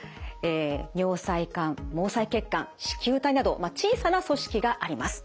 尿細管毛細血管糸球体など小さな組織があります。